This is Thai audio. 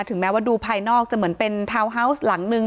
แม้ว่าดูภายนอกจะเหมือนเป็นทาวน์ฮาวส์หลังนึง